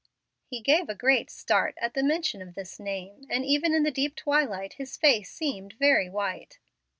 He gave a great start at the mention of this name, and even in the deep twilight his face seemed very white.